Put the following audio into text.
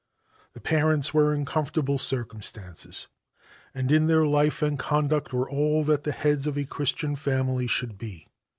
The parents were in comfortable circumstances, and in their life and conduct were all that the heads of a Christian family should be.